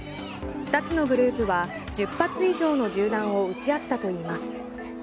２つのグループは１０発以上の銃弾を撃ち合ったといいます。